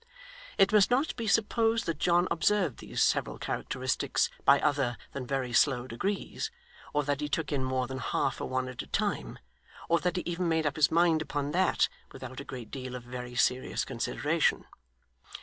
It must not be supposed that John observed these several characteristics by other than very slow degrees, or that he took in more than half a one at a time, or that he even made up his mind upon that, without a great deal of very serious consideration.